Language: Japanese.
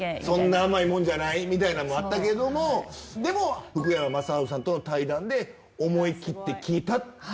そんな甘いもんじゃないみたいなんもあったけど、でも、福山雅治さんとの対談で思い切って聞いた。